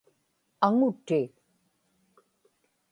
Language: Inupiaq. aŋuti